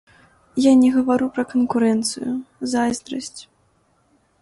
Я не гавару пра канкурэнцыю, зайздрасць.